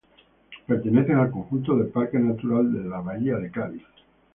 Pertenecen al conjunto del Parque Natural de la Bahía de Cádiz.